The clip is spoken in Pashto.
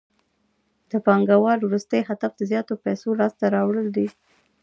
د پانګوال وروستی هدف د زیاتو پیسو لاسته راوړل دي